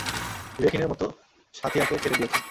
বিবেকহীনের মত সাথ্যীয়াকে ছেড়ে দিয়েছ।